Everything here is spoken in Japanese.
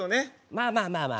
まあまあまあまあ。